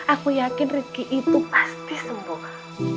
aku yakin rifki itu pasti sembuh